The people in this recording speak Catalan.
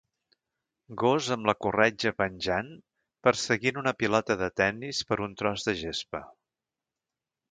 Gos amb la corretja penjant perseguint una pilota de tennis per un tros de gespa.